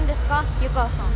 湯川さん。